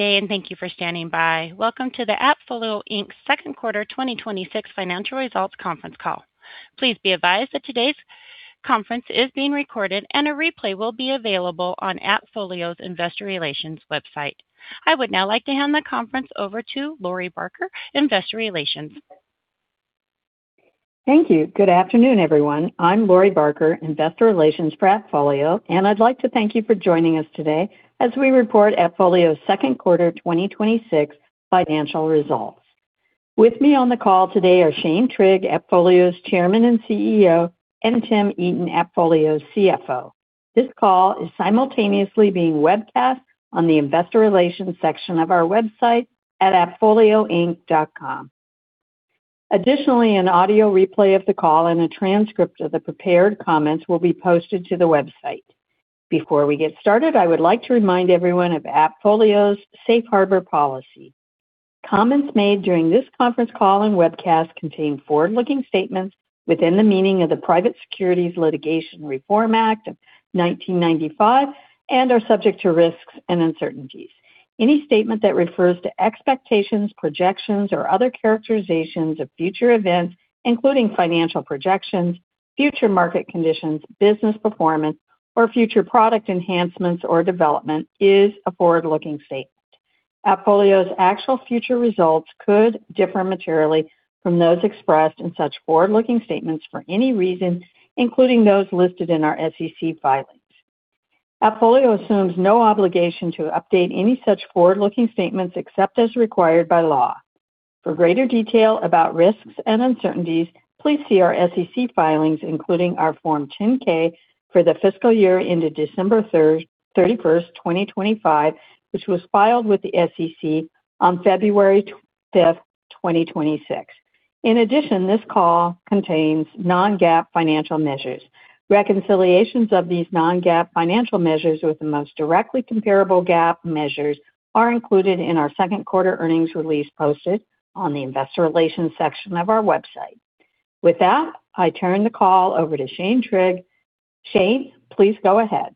Good day, and thank you for standing by. Welcome to the AppFolio, Inc's second quarter 2026 financial results conference call. Please be advised that today's conference is being recorded and a replay will be available on AppFolio's investor relations website. I would now like to hand the conference over to Lori Barker, Investor Relations. Thank you. Good afternoon, everyone. I'm Lori Barker, Investor Relations for AppFolio, and I'd like to thank you for joining us today as we report AppFolio's second quarter 2026 financial results. With me on the call today are Shane Trigg, AppFolio's Chairman and CEO, and Tim Eaton, AppFolio's CFO. This call is simultaneously being webcast on the Investor Relations section of our website at ir.appfolioinc.com. Additionally, an audio replay of the call and a transcript of the prepared comments will be posted to the website. Before we get started, I would like to remind everyone of AppFolio's Safe Harbor Policy. Comments made during this conference call and webcast contain forward-looking statements within the meaning of the Private Securities Litigation Reform Act of 1995 and are subject to risks and uncertainties. Any statement that refers to expectations, projections, or other characterizations of future events, including financial projections, future market conditions, business performance, or future product enhancements or development, is a forward-looking statement. AppFolio's actual future results could differ materially from those expressed in such forward-looking statements for any reason, including those listed in our SEC filings. AppFolio assumes no obligation to update any such forward-looking statements except as required by law. For greater detail about risks and uncertainties, please see our SEC filings, including our Form 10-K for the fiscal year ended December 31st, 2025, which was filed with the SEC on February 5th, 2026. In addition, this call contains non-GAAP financial measures. Reconciliations of these non-GAAP financial measures with the most directly comparable GAAP measures are included in our second quarter earnings release posted on the investor relations section of our website. With that, I turn the call over to Shane Trigg. Shane, please go ahead.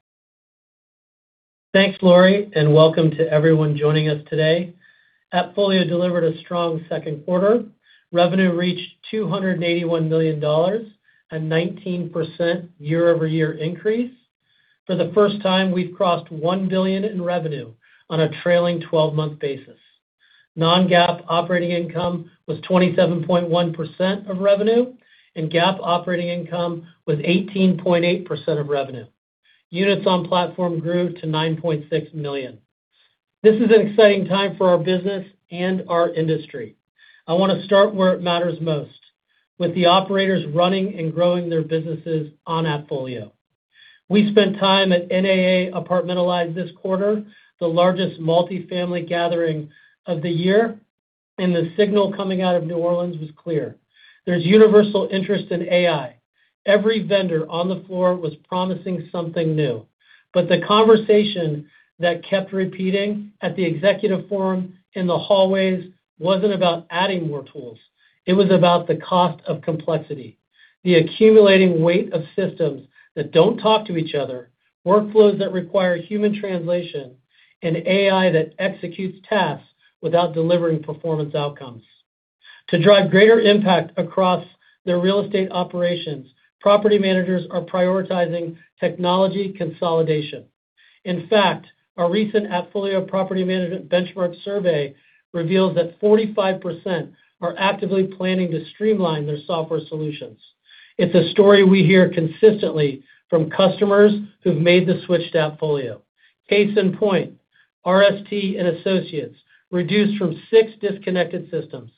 Thanks, Lori, and welcome to everyone joining us today. AppFolio delivered a strong second quarter. Revenue reached $281 million, a 19% year-over-year increase. For the first time, we've crossed $1 billion in revenue on a trailing 12-month basis. Non-GAAP operating income was 27.1% of revenue, and GAAP operating income was 18.8% of revenue. Units on platform grew to 9.6 million. This is an exciting time for our business and our industry. I want to start where it matters most, with the operators running and growing their businesses on AppFolio. We spent time at NAA Apartmentalize this quarter, the largest multifamily gathering of the year, and the signal coming out of New Orleans was clear. There's universal interest in AI. Every vendor on the floor was promising something new. The conversation that kept repeating at the executive forum in the hallways wasn't about adding more tools. It was about the cost of complexity, the accumulating weight of systems that don't talk to each other, workflows that require human translation, and AI that executes tasks without delivering performance outcomes. To drive greater impact across their real estate operations, property managers are prioritizing technology consolidation. In fact, our recent AppFolio Property Management Benchmark survey reveals that 45% are actively planning to streamline their software solutions. It's a story we hear consistently from customers who've made the switch to AppFolio. Case in point, RST & Associates reduced from six disconnected systems,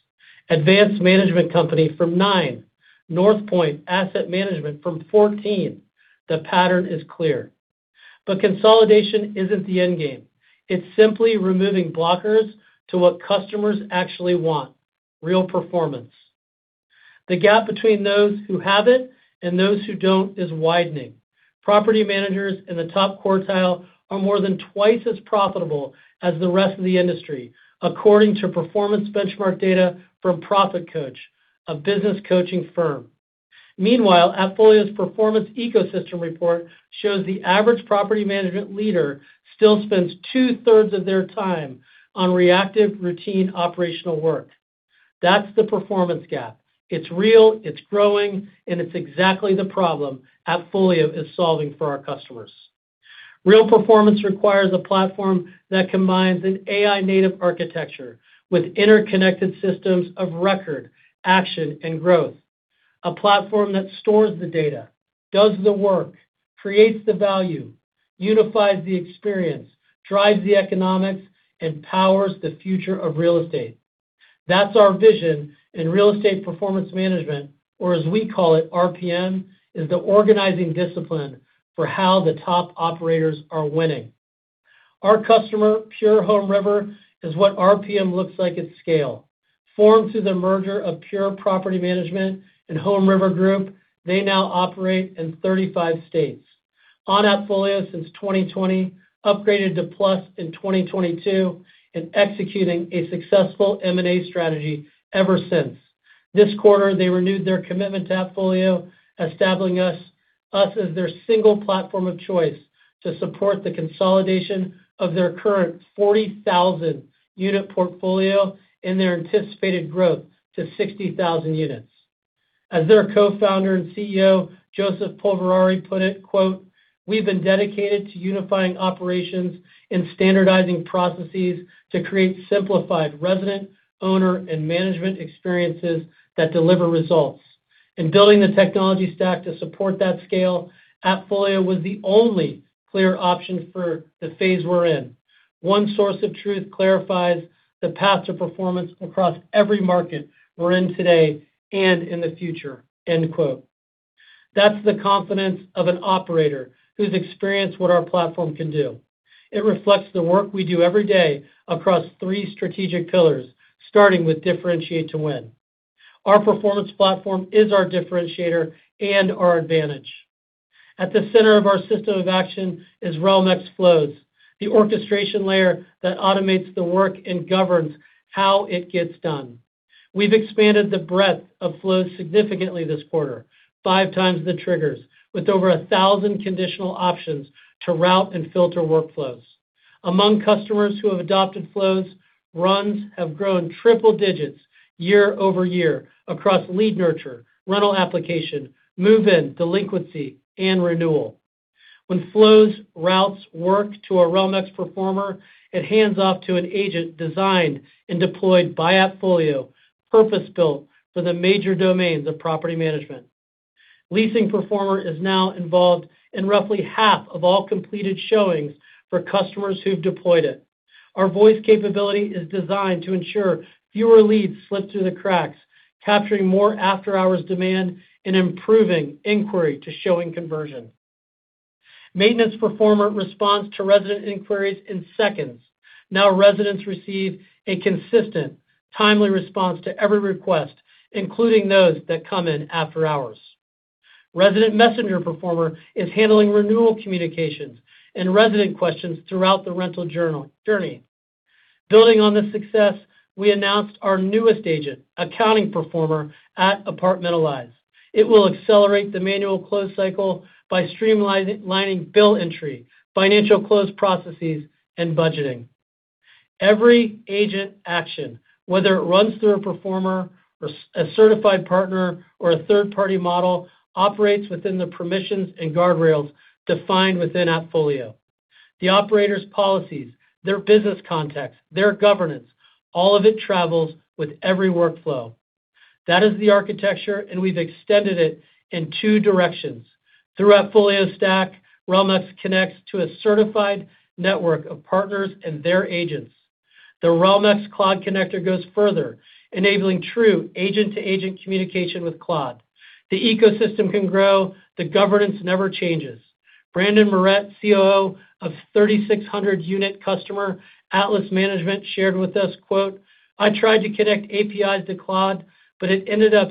Advanced Management Company from nine, Northpoint Asset Management from 14. The pattern is clear. But consolidation isn't the end game. It's simply removing blockers to what customers actually want: real performance. The gap between those who have it and those who don't is widening. Property managers in the top quartile are more than twice as profitable as the rest of the industry, according to performance benchmark data from ProfitCoach, a business coaching firm. Meanwhile, AppFolio's Performance Ecosystem Report shows the average property management leader still spends 2/3 of their time on reactive routine operational work. That's the performance gap. It's real, it's growing, and it's exactly the problem AppFolio is solving for our customers. Real performance requires a platform that combines an AI-native architecture with interconnected systems of record, action, and growth. A platform that stores the data, does the work, creates the value, unifies the experience, drives the economics, and powers the future of real estate. That's our vision in real estate performance management, or as we call it, RPM, is the organizing discipline for how the top operators are winning. Our customer, PURE HomeRiver, is what RPM looks like at scale. Formed through the merger of PURE Property Management and HomeRiver Group, they now operate in 35 states. On AppFolio since 2020, upgraded to Plus in 2022, and executing a successful M&A strategy ever since. This quarter, they renewed their commitment to AppFolio, establishing us as their single platform of choice to support the consolidation of their current 40,000-unit portfolio and their anticipated growth to 60,000 units. As their Co-founder and CEO, Joseph Polverari, put it, quote, "We've been dedicated to unifying operations and standardizing processes to create simplified resident, owner, and management experiences that deliver results. In building the technology stack to support that scale, AppFolio was the only clear option for the phase we're in. One source of truth clarifies the path to performance across every market we're in today and in the future." End quote. That's the confidence of an operator who's experienced what our platform can do. It reflects the work we do every day across three strategic pillars, starting with differentiate to win. Our performance platform is our differentiator and our advantage. At the center of our system of action is Realm-X Flows, the orchestration layer that automates the work and governs how it gets done. We've expanded the breadth of Flows significantly this quarter, 5x the triggers, with over 1,000 conditional options to route and filter workflows. Among customers who have adopted Flows, runs have grown triple digits year-over-year across lead nurture, rental application, move-in, delinquency, and renewal. When Flows routes work to a Realm-X Performer, it hands off to an agent designed and deployed by AppFolio, purpose-built for the major domains of property management. Leasing Performer is now involved in roughly half of all completed showings for customers who've deployed it. Our voice capability is designed to ensure fewer leads slip through the cracks, capturing more after-hours demand, and improving inquiry to showing conversion. Maintenance Performer responds to resident inquiries in seconds. Now residents receive a consistent, timely response to every request, including those that come in after hours. Resident Messenger Performer is handling renewal communications and resident questions throughout the rental journey. Building on this success, we announced our newest agent, Accounting Performer, at Apartmentalize. It will accelerate the manual close cycle by streamlining bill entry, financial close processes, and budgeting. Every agent action, whether it runs through a Performer, a certified partner, or a third-party model, operates within the permissions and guardrails defined within AppFolio. The operator's policies, their business context, their governance, all of it travels with every workflow. That is the architecture. We've extended it in two directions. Through AppFolio Stack, Realm-X connects to a certified network of partners and their agents. The Realm-X Cloud Connector goes further, enabling true agent-to-agent communication with Claude. The ecosystem can grow. The governance never changes. Brandon Moret, COO of 3,600-unit customer Atlas Management, shared with us, quote, "I tried to connect APIs to Claude, but it ended up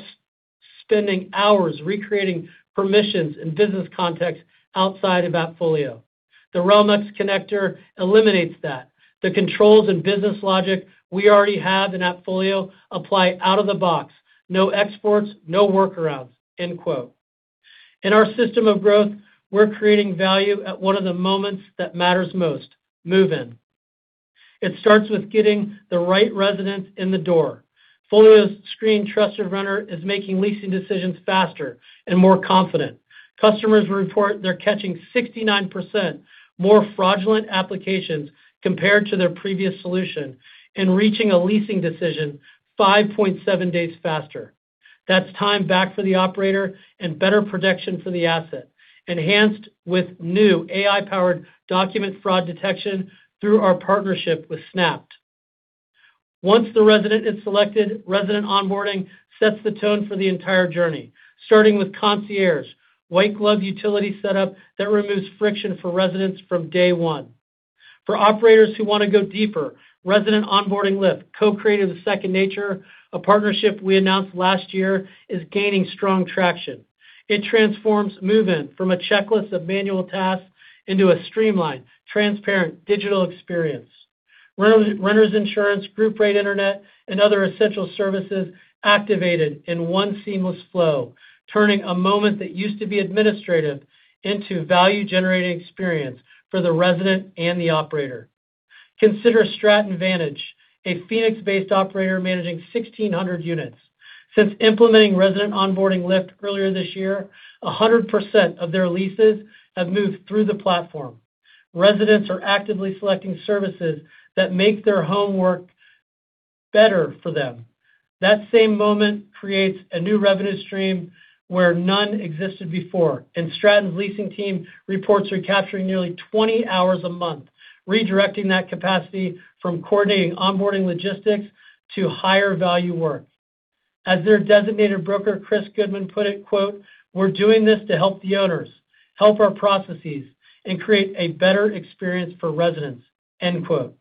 spending hours recreating permissions and business context outside of AppFolio. The Realm-X Connector eliminates that. The controls and business logic we already have in AppFolio apply out of the box. No exports, no workarounds." End quote. In our system of growth, we're creating value at one of the moments that matters most, move-in. It starts with getting the right resident in the door. AppFolio's Screen Trusted Renter is making leasing decisions faster and more confident. Customers report they're catching 69% more fraudulent applications compared to their previous solution and reaching a leasing decision 5.7 days faster. That's time back for the operator and better protection for the asset, enhanced with new AI-powered document fraud detection through our partnership with Snappt. Once the resident is selected, resident onboarding sets the tone for the entire journey, starting with concierge white glove utility setup that removes friction for residents from day one. For operators who want to go deeper, Resident Onboarding Lift, co-created with Second Nature, a partnership we announced last year, is gaining strong traction. It transforms move-in from a checklist of manual tasks into a streamlined, transparent digital experience. Renter's insurance, group rate internet, and other essential services activated in one seamless flow, turning a moment that used to be administrative into value-generating experience for the resident and the operator. Consider Stratton Vantage, a Phoenix-based operator managing 1,600 units. Since implementing Resident Onboarding Lift earlier this year, 100% of their leases have moved through the platform. Residents are actively selecting services that make their home work better for them. That same moment creates a new revenue stream where none existed before. Stratton's leasing team reports recapturing nearly 20 hours a month, redirecting that capacity from coordinating onboarding logistics to higher-value work. As their designated broker, Chris Goodman, put it, quote, "We're doing this to help the owners, help our processes, and create a better experience for residents." End quote.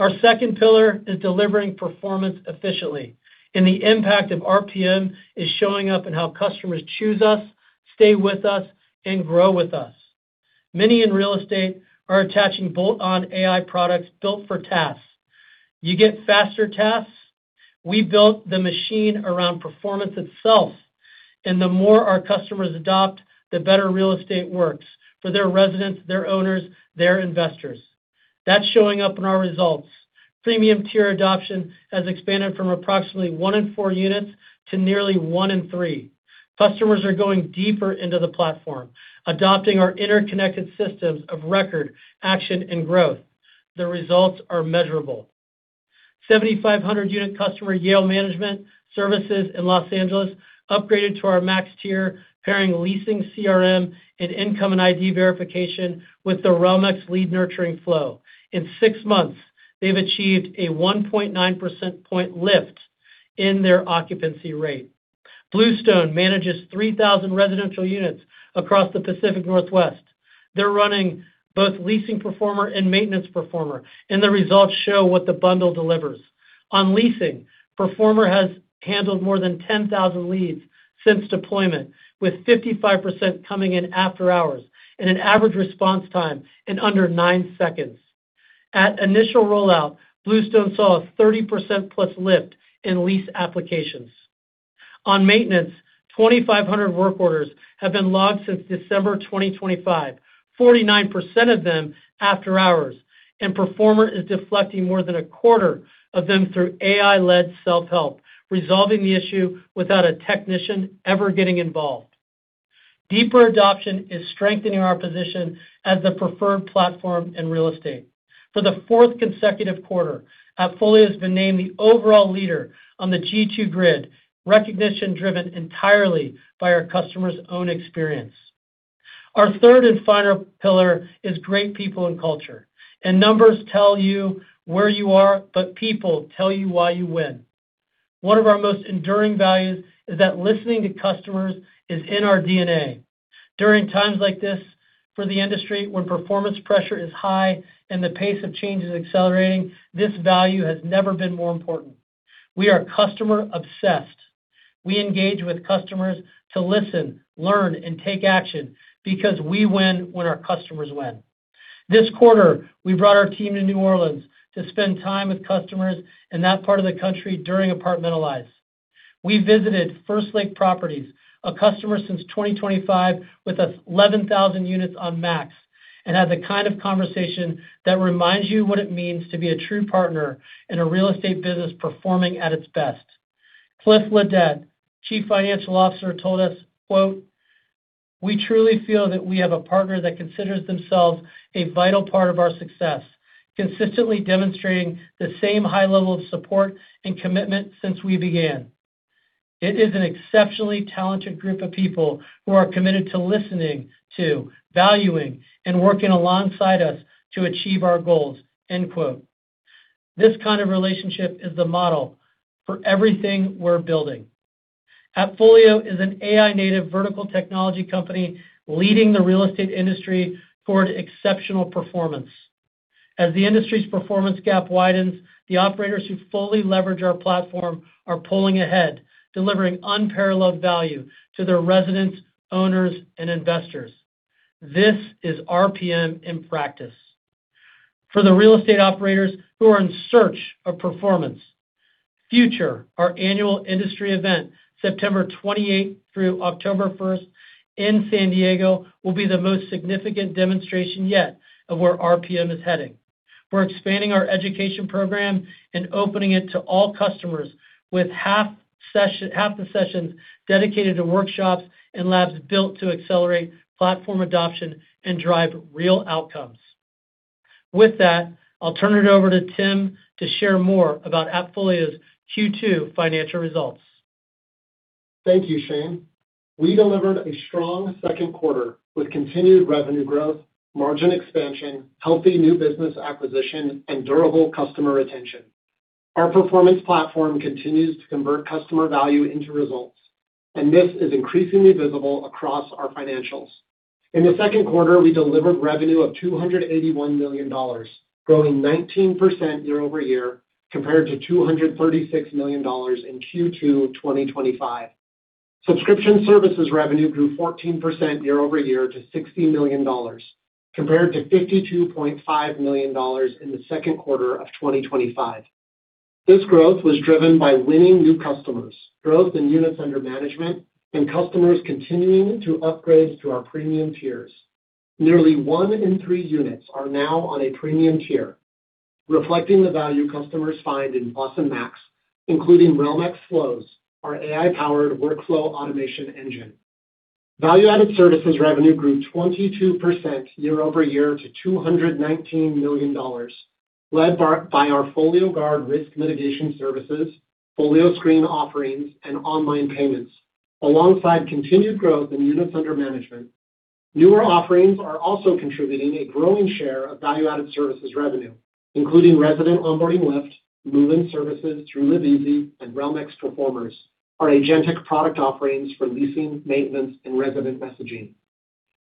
Our second pillar is delivering performance efficiently. The impact of RPM is showing up in how customers choose us, stay with us, and grow with us. Many in real estate are attaching bolt-on AI products built for tasks. You get faster tasks. We built the machine around performance itself. The more our customers adopt, the better real estate works for their residents, their owners, their investors. That's showing up in our results. Premium tier adoption has expanded from approximately one in four units to nearly one in three. Customers are going deeper into the platform, adopting our interconnected systems of record, action, and growth. The results are measurable. 7,500-unit customer Yale Management Services in Los Angeles upgraded to our Max tier, pairing leasing CRM and income and ID verification with the Realm-X lead nurturing flow. In six months, they've achieved a 1.9% point lift in their occupancy rate. Bluestone manages 3,000 residential units across the Pacific Northwest. They're running both Leasing Performer and Maintenance Performer, and the results show what the bundle delivers. On leasing, Performer has handled more than 10,000 leads since deployment, with 55% coming in after hours and an average response time in under nine seconds. At initial rollout, Bluestone saw a 30%+ lift in lease applications. On maintenance, 2,500 work orders have been logged since December 2025, 49% of them after hours, and Performer is deflecting more than a quarter of them through AI-led self-help, resolving the issue without a technician ever getting involved. Deeper adoption is strengthening our position as the preferred platform in real estate. For the fourth consecutive quarter, AppFolio has been named the overall leader on the G2 Grid, recognition driven entirely by our customers' own experience. Our third and final pillar is great people and culture. Numbers tell you where you are, but people tell you why you win. One of our most enduring values is that listening to customers is in our DNA. During times like this for the industry, when performance pressure is high and the pace of change is accelerating, this value has never been more important. We are customer-obsessed. We engage with customers to listen, learn, and take action because we win when our customers win. This quarter, we brought our team to New Orleans to spend time with customers in that part of the country during Apartmentalize. We visited 1st Lake Properties, a customer since 2025 with 11,000 units on Max and had the kind of conversation that reminds you what it means to be a true partner in a real estate business performing at its best. Cliff Ledet, Chief Financial Officer, told us, "We truly feel that we have a partner that considers themselves a vital part of our success, consistently demonstrating the same high level of support and commitment since we began. It is an exceptionally talented group of people who are committed to listening to, valuing, and working alongside us to achieve our goals." This kind of relationship is the model for everything we're building. AppFolio is an AI-native vertical technology company leading the real estate industry toward exceptional performance. As the industry's performance gap widens, the operators who fully leverage our platform are pulling ahead, delivering unparalleled value to their residents, owners, and investors. This is RPM in practice. For the real estate operators who are in search of performance, FUTURE, our annual industry event, September 28th through October 1st in San Diego, will be the most significant demonstration yet of where RPM is heading. We're expanding our education program and opening it to all customers with half the sessions dedicated to workshops and labs built to accelerate platform adoption and drive real outcomes. With that, I'll turn it over to Tim to share more about AppFolio's Q2 financial results. Thank you, Shane. We delivered a strong second quarter with continued revenue growth, margin expansion, healthy new business acquisition, and durable customer retention. Our performance platform continues to convert customer value into results, and this is increasingly visible across our financials. In the second quarter, we delivered revenue of $281 million, growing 19% year-over-year compared to $236 million in Q2 2025. Subscription services revenue grew 14% year-over-year to $60 million compared to $52.5 million in the second quarter of 2025. This growth was driven by winning new customers, growth in units under management, and customers continuing to upgrade to our premium tiers. Nearly one in three units are now on a premium tier, reflecting the value customers find in Max, including Realm-X Flows, our AI-powered workflow automation engine. Value-added services revenue grew 22% year-over-year to $219 million, led by our FolioGuard risk mitigation services, FolioScreen offerings, and online payments, alongside continued growth in units under management. Newer offerings are also contributing a growing share of value-added services revenue, including Resident Onboarding Lift, move-in services through LiveEasy, and Realm-X Performers, our agentic product offerings for leasing, maintenance, and resident messaging.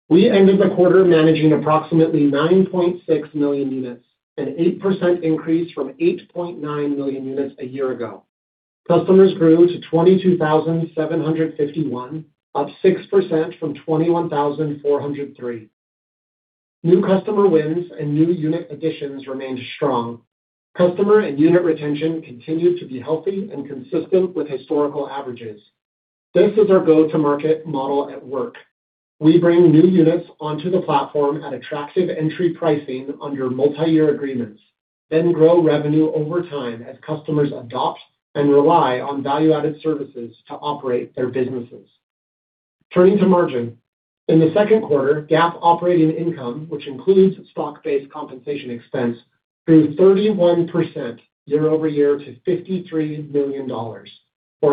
We ended the quarter managing approximately 9.6 million units, an 8% increase from 8.9 million units a year ago. Customers grew to 22,751, up 6% from 21,403. New customer wins and new unit additions remained strong. Customer and unit retention continued to be healthy and consistent with historical averages. This is our go-to-market model at work. We bring new units onto the platform at attractive entry pricing under multi-year agreements, then grow revenue over time as customers adopt and rely on value-added services to operate their businesses. Turning to margin. In the second quarter, GAAP operating income, which includes stock-based compensation expense, grew 31% year-over-year to $53 million, or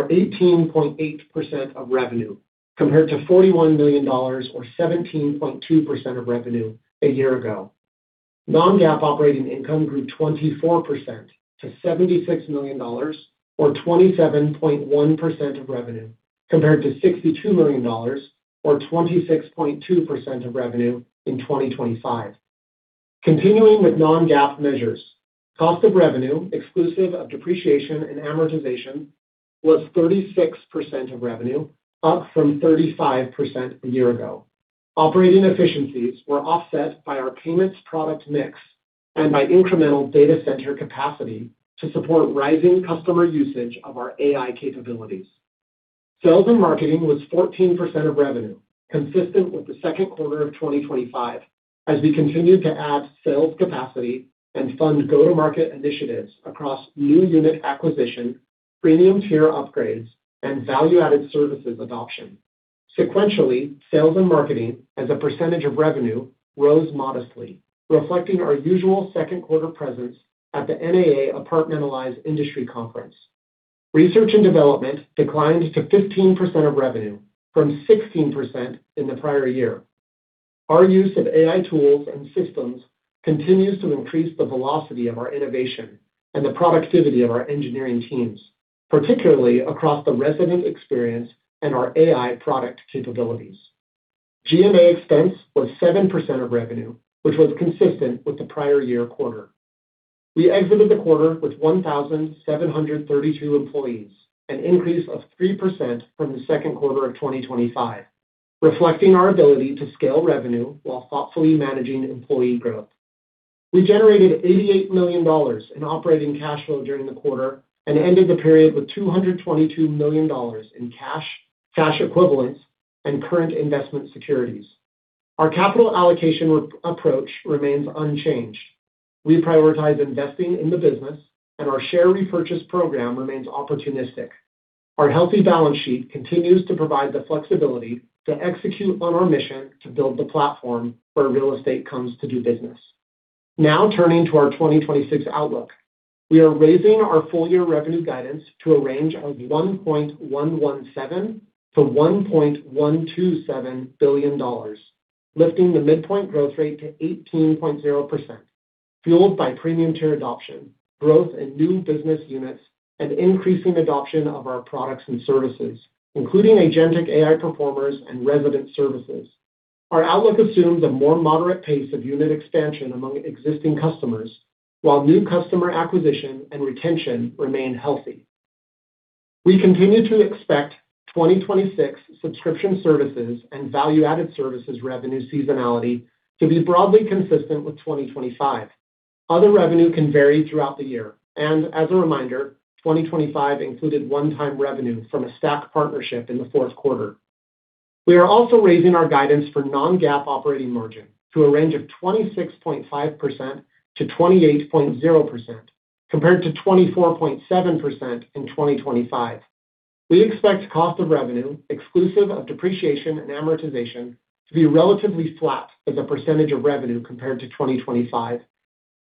18.8% of revenue, compared to $41 million or 17.2% of revenue a year ago. Non-GAAP operating income grew 24% to $76 million, or 27.1% of revenue, compared to $62 million or 26.2% of revenue in 2025. Continuing with non-GAAP measures, cost of revenue exclusive of depreciation and amortization was 36% of revenue, up from 35% a year ago. Operating efficiencies were offset by our payments product mix and by incremental data center capacity to support rising customer usage of our AI capabilities. Sales and marketing was 14% of revenue, consistent with the second quarter of 2025, as we continued to add sales capacity and fund go-to-market initiatives across new unit acquisition, premium tier upgrades, and value-added services adoption. Sequentially, sales and marketing as a percentage of revenue rose modestly, reflecting our usual second quarter presence at the NAA Apartmentalize Industry Conference. Research and development declined to 15% of revenue from 16% in the prior year. Our use of AI tools and systems continues to increase the velocity of our innovation and the productivity of our engineering teams, particularly across the resident experience and our AI product capabilities. G&A expense was 7% of revenue, which was consistent with the prior year quarter. We exited the quarter with 1,732 employees, an increase of 3% from the second quarter of 2025, reflecting our ability to scale revenue while thoughtfully managing employee growth. We generated $88 million in operating cash flow during the quarter and ended the period with $222 million in cash equivalents, and current investment securities. Our capital allocation approach remains unchanged. We prioritize investing in the business, and our share repurchase program remains opportunistic. Our healthy balance sheet continues to provide the flexibility to execute on our mission to build the platform where real estate comes to do business. Turning to our 2026 outlook. We are raising our full-year revenue guidance to a range of $1.117 billion-$1.127 billion, lifting the midpoint growth rate to 18.0%, fueled by premium tier adoption, growth in new business units, and increasing adoption of our products and services, including agentic AI performers and resident services. Our outlook assumes a more moderate pace of unit expansion among existing customers, while new customer acquisition and retention remain healthy. We continue to expect 2026 subscription services and value-added services revenue seasonality to be broadly consistent with 2025. Other revenue can vary throughout the year, and as a reminder, 2025 included one-time revenue from an AppFolio Stack partnership in the fourth quarter. We are also raising our guidance for non-GAAP operating margin to a range of 26.5%-28.0%, compared to 24.7% in 2025. We expect cost of revenue exclusive of depreciation and amortization to be relatively flat as a percentage of revenue compared to 2025.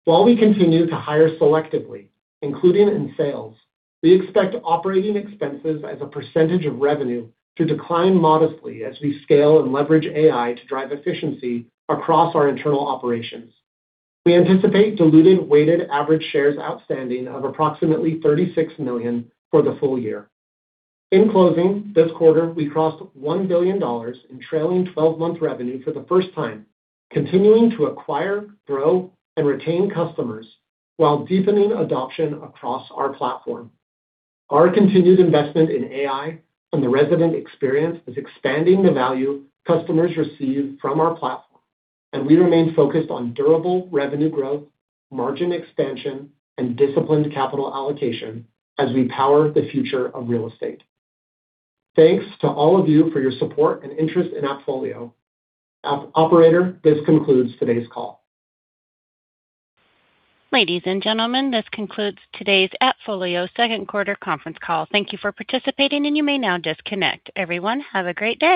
While we continue to hire selectively, including in sales, we expect operating expenses as a percentage of revenue to decline modestly as we scale and leverage AI to drive efficiency across our internal operations. We anticipate diluted weighted average shares outstanding of approximately 36 million for the full year. In closing, this quarter, we crossed $1 billion in trailing 12-month revenue for the first time, continuing to acquire, grow, and retain customers while deepening adoption across our platform. Our continued investment in AI and the resident experience is expanding the value customers receive from our platform, and we remain focused on durable revenue growth, margin expansion, and disciplined capital allocation as we power the future of real estate. Thanks to all of you for your support and interest in AppFolio. Operator, this concludes today's call. Ladies and gentlemen, this concludes today's AppFolio second quarter conference call. Thank you for participating, and you may now disconnect. Everyone, have a great day.